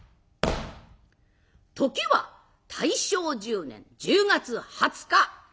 時は大正１０年１０月２０日。